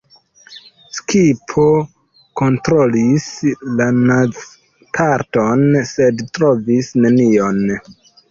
Skipo kontrolis la naz-parton, sed trovis nenion.